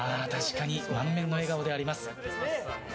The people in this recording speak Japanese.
満面の笑顔であります。